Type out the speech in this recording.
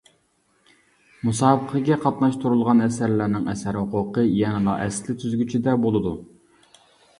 مۇسابىقىگە قاتناشتۇرۇلغان ئەسەرلەرنىڭ ئەسەر ھوقۇقى يەنىلا ئەسلى تۈزگۈچىدە بولىدۇ.